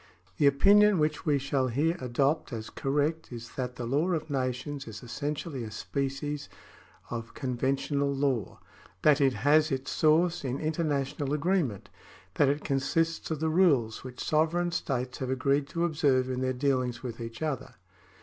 The opinion which we shall here adopt as correct is that the law of nations is essentially a species of conven tional law — that it has its soiu'ce in international agree ment— that it consists of the rules which sovereign states have agreed to observe in their dealings with each other.